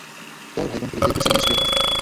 তোর ভাই-বোনকে বেছে নিয়েছিলি, হাহ?